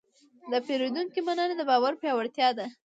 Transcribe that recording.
د پیرودونکي مننه د باور پیاوړتیا ده.